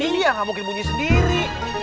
iya nggak mungkin bunyi sendiri